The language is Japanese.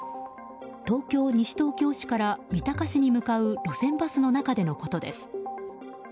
東京・西東京市から三鷹市に向かう路線バスの中でのことです。